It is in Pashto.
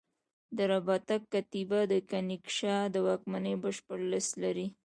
د رباطک کتیبه د کنیشکا د واکمنۍ بشپړه لېست لري